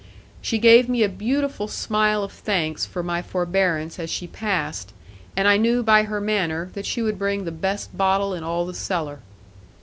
She gave me a beautiful smile of thanks for my forbearance as she passed; and I knew by her manner that she would bring the best bottle in all the cellar.